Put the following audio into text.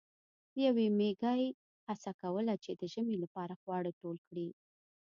یوې میږی هڅه کوله چې د ژمي لپاره خواړه ټول کړي.